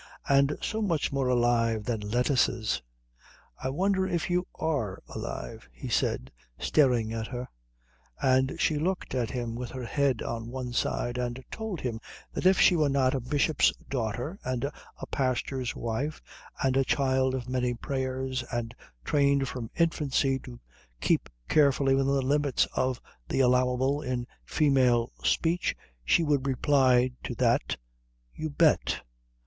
"And so much more alive than lettuces." "I wonder if you are alive?" he said, staring at her; and she looked at him with her head on one side and told him that if she were not a bishop's daughter and a pastor's wife and a child of many prayers and trained from infancy to keep carefully within the limits of the allowable in female speech she would reply to that, "You bet."